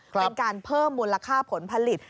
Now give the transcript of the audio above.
เป็นการเพิ่มมูลค่าผลผลิต